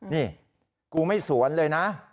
นี่กูไม่สวนเลยนะ